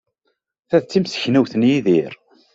Ta d timseknewt n Yidir.